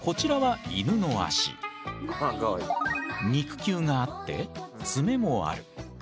肉球があって爪もある。